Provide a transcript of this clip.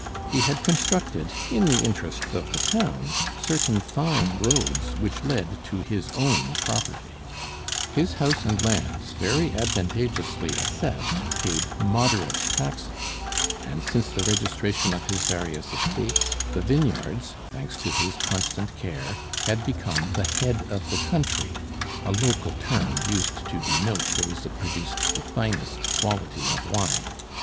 He had constructed in the interests of the town certain fine roads which led to his own property; his house and lands, very advantageously assessed, paid moderate taxes; and since the registration of his various estates, the vineyards, thanks to his constant care, had become the "head of the country," a local term used to denote those that produced the finest quality of wine.